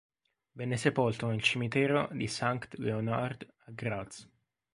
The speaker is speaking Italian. Venne sepolto nel cimitero di Sankt Leonhard a Graz.